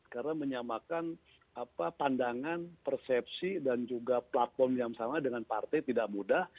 karena menyamakan pandangan persepsi dan juga platform yang sama dengan partai tidak mudah